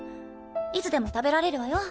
いつでも食べられるわよ。